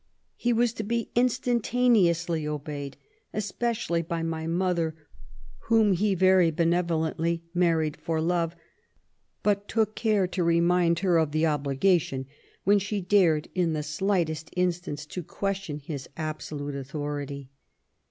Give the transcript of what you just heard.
••. He was to be instantaneously obeyed^ especially by my mother, whom he very benevolently married for love ; but took care to remind her of the obligation when she dared in the slightest instance to question his abso lute authority.